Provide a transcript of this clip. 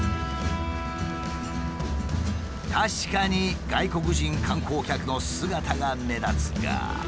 確かに外国人観光客の姿が目立つが。